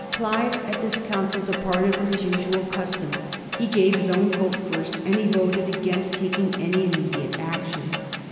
Clive at this council departed from his usual custom. He gave his own vote first, and he voted against taking any immedi ate action.